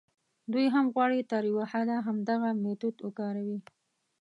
دوی هم غواړي تر یوه حده همدغه میتود وکاروي.